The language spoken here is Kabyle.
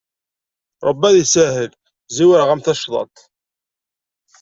Ṛebbi ad isahel, zewreɣ-am tacḍaṭ.